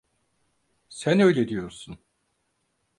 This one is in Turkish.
Sen öyle diyorsun.